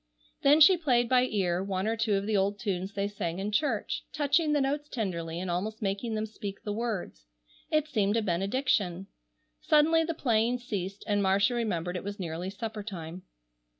Then she played by ear one or two of the old tunes they sang in church, touching the notes tenderly and almost making them speak the words. It seemed a benediction. Suddenly the playing ceased and Marcia remembered it was nearly supper time.